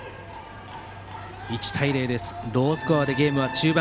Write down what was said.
１対０ロースコアでゲームは中盤。